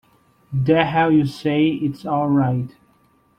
The hell you say it's all right!